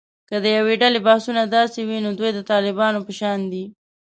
که د یوې ډلې بحثونه داسې وي، نو دوی د طالبانو په شان دي